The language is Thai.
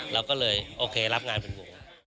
เราก็เลยรับงานเหล็ก